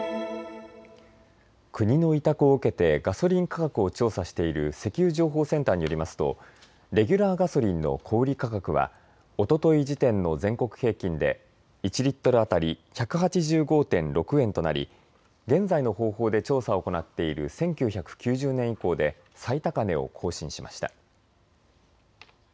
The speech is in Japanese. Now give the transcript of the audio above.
国の委託を受けてガソリン価格を調査している石油情報センターによりますとレギュラーガソリンの小売価格はおととい時点の全国平均で１リットル当たり１８５．６円となり現在の方法で調査を行っている１９９０年以降で最高値を更新しました。